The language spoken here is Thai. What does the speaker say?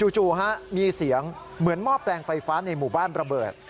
จู่มีเสียงเหมือนหม้อแปลงไฟฟ้าในหมู่บ้านระเบิด